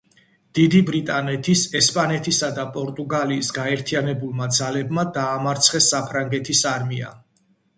დიდი ბრიტანეთის, ესპანეთისა და პორტუგალიის გაერთიანებულმა ძალებმა დამარცხეს საფრანგეთის არმია.